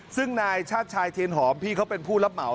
ซึ่งนายชาติชายเทียนหอมพี่เขาเป็นผู้รับเหมา